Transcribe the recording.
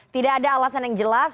tidak ada alasan yang jelas